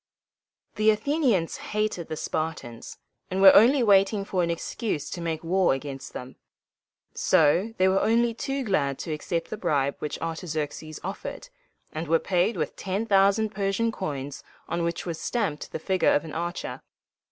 The Athenians hated the Spartans, and were only waiting for an excuse to make war against them: so they were only too glad to accept the bribe which Artaxerxes offered, and were paid with ten thousand Persian coins on which was stamped the figure of an archer.